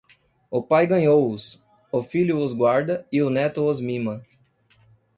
O pai ganhou-os, o filho os guarda e o neto os mima.